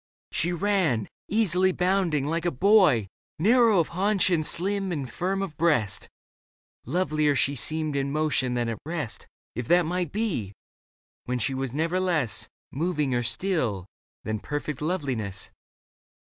She ran, easily bounding, like a boy, Narrow of haunch and slim and firm of breast. Lovelier she seemed in motion than at rest. If that might be, when she was never less. Moving or still, than perfect loveliness.